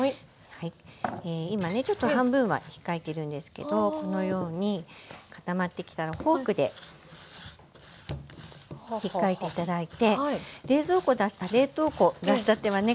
今ねちょっと半分はひっかいてるんですけどこのように固まってきたらフォークでひっかいて頂いて冷凍庫出したてはね